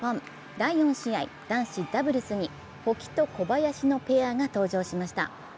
第４試合、男子ダブルスに保木と小林のペアが登場しました。